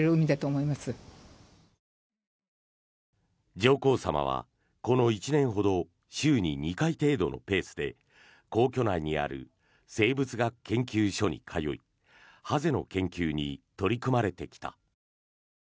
上皇さまはこの１年ほど週に２回程度のペースで皇居内にある生物学研究所に通いハゼの研究に取り組まれてきた。